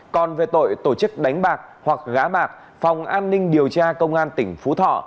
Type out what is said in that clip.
còn về tội tổ chức đánh bạc hoặc gá bạc phòng an ninh điều tra công an tỉnh phú thọ